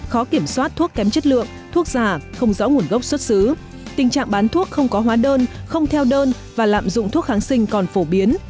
khó kiểm soát thuốc kém chất lượng thuốc giả không rõ nguồn gốc xuất xứ tình trạng bán thuốc không có hóa đơn không theo đơn và lạm dụng thuốc kháng sinh còn phổ biến